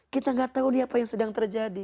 kita gak tahu nih apa yang sedang terjadi